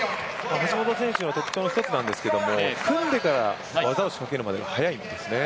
橋本選手の特徴の一つなんですが組んでから技を仕掛けるまでが早いんですね。